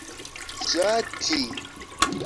ŝati